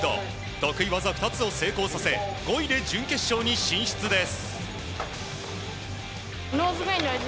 得意技２つを成功させ５位で準決勝に進出です。